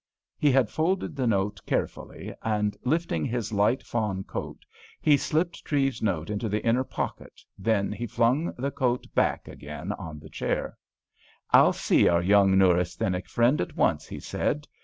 He had folded the note carefully, and lifting his light fawn coat, he slipped Treves's note into the inner pocket, then he flung the coat back again on the chair. "I'll see our young neurasthenic friend at once," he said.